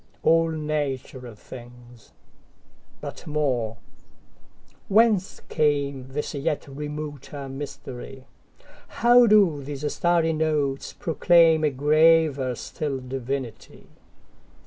All natural things! But more—Whence cameThis yet remoter mystery? How do these starry notes proclaimA graver still divinity?